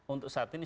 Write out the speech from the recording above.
untuk saat ini